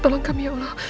tolong kami ya allah